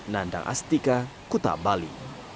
nandang astika kuta bali